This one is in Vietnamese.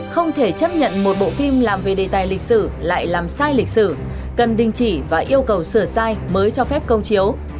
không thể chấp nhận một bộ phim làm về đề tài lịch sử lại làm sai lịch sử cần đình chỉ và yêu cầu sửa sai mới cho phép công chiếu